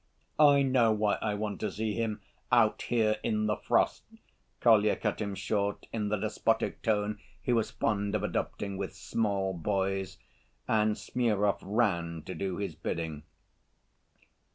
"I know why I want to see him out here in the frost," Kolya cut him short in the despotic tone he was fond of adopting with "small boys," and Smurov ran to do his bidding.